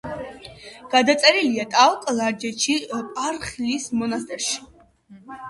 გადაწერილია ტაო–კლარჯეთში, პარხლის მონასტერში.